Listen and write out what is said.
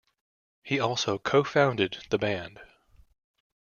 He also co-founded the band.